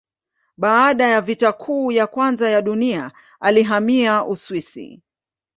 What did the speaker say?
Baada ya Vita Kuu ya Kwanza ya Dunia alihamia Uswisi.